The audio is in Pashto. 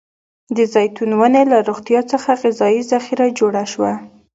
د زیتون ونې له روغتيا څخه غذايي ذخیره جوړه شوه.